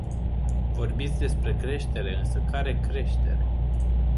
Vorbiți despre creștere, însă care creștere?